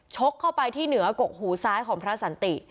กเข้าไปที่เหนือกกหูซ้ายของพระสันติ